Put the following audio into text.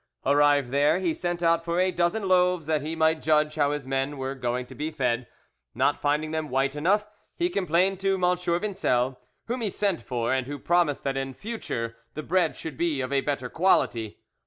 Arrived there, he sent out for a dozen loaves that he might judge how his men were going to be fed; not finding them white enough, he complained to M. Vincel, whom he sent for, and who promised that in future the bread should be of a better quality.